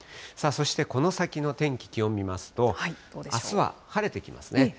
そして、この先の天気、気温見ますと、あすは晴れてきますね。